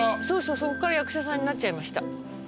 そうそうそこから役者さんになっちゃいました。